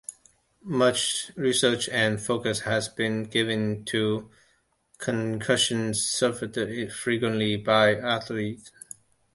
Much research and focus has been given to concussion suffered frequently by athletes.